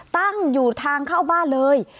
ตั้งอยู่ทางเข้าบ้านเลย